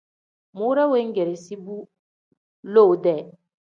Muure weegeresi bu lowu-dee.